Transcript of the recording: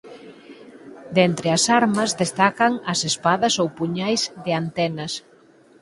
De entre as armas destacan as espadas ou puñais "de antenas".